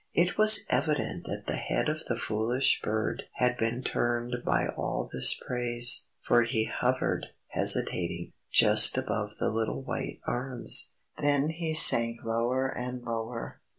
It was evident that the head of the foolish bird had been turned by all this praise, for he hovered, hesitating, just above the little white arms. Then he sank lower and lower.